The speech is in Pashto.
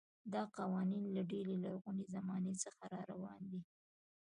دا قوانین له ډېرې لرغونې زمانې څخه راروان دي.